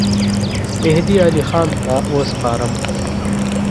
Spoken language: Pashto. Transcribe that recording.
مهدي علي خان ته وسپارم.